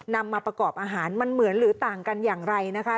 นำมาประกอบอาหารมันเหมือนหรือต่างกันอย่างไรนะคะ